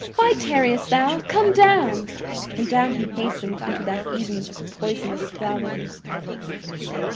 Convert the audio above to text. Why tarriest thou? Come down!" And down he hastened into that Eden of poisonous flowers.